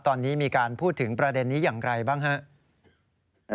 ตอนนี้มีการพูดถึงประเด็นนี้อย่างไรบ้างครับ